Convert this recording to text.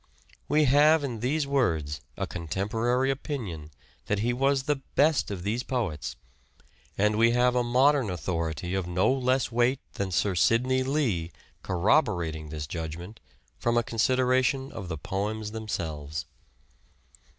We have in these words a contemporary opinion that he was the best of these poets, and we have a modern authority of no less weight than Sir Sidney Lee corroborating this judgment from a consideration of the poems themselves.